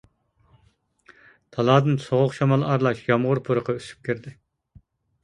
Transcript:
تالادىن سوغۇق شامال ئارىلاش يامغۇر پۇرىقى ئۈسۈپ كىردى.